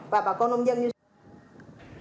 và bà con nông dân như sau